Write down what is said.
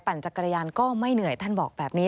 จักรยานก็ไม่เหนื่อยท่านบอกแบบนี้